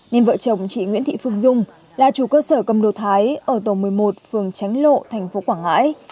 nên vợ chồng chị nguyễn thị phương dung là chủ cơ sở cầm đồ thái ở tổ một mươi một phường tránh lộ thành phố quảng ngãi